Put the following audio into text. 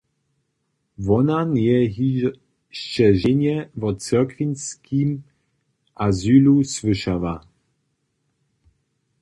Wona njeje hišće ženje wo cyrkwinskim azylu słyšała.